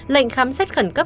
lệnh khám xét khẩn cấp